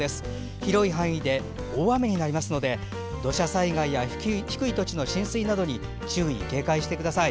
広い範囲で大雨になりますので土砂災害や低い土地の浸水などに注意・警戒してください。